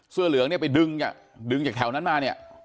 เสื้อเหลืองเนี่ยไปดึงอ่ะดึงดึงจากแถวนั้นมาเนี่ย